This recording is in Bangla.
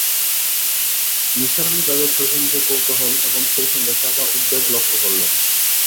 নিসার আলি তাদের চোখে মুখে কৌতূহল এবং সেইসঙ্গে চাপা উদ্বেগ লক্ষ্য করলেন।